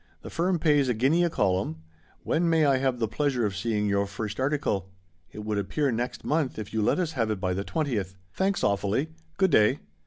The firm pays a guinea a column. When may I have the pleasure of seeing your first article ? It would appear next month if you let us have it by the 20th. Thanks, awfully. Good day."